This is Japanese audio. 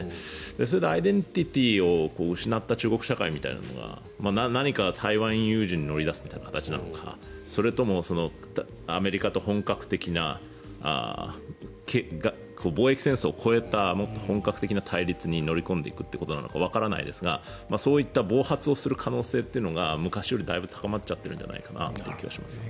それでアイデンティティーを失った中国社会みたいなものが何か、台湾有事に乗り出すみたいな形なのかそれともアメリカと本格的な貿易戦争を超えたもっと本格的な対立に乗り込んでいくということなのかわからないですがそういった暴発をする可能性というのが昔よりもだいぶ高まっちゃってるんじゃないかという気がします。